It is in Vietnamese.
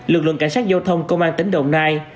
lực lượng cảnh sát giao thông công an tỉnh đồng nai